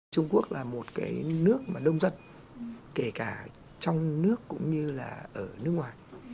trung quốc là một nước đông dân kể cả trong nước cũng như ở nước ngoài